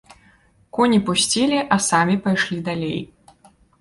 Коні пусцілі, а самі пайшлі далей.